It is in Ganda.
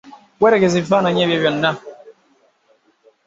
Weetegereze ebifaananyi ebyo byonna.